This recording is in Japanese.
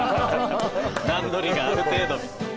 段取りがある程度。